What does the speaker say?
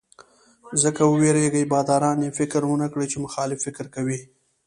ځکه وېرېږي باداران یې فکر ونکړي چې مخالف فکر کوي.